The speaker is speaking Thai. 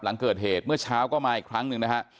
หลังเกิดเหตุเมื่อเช้าก็มาอีกครั้งหนึ่งนะฮะ